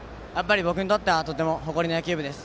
僕にとっては誇りの野球部です。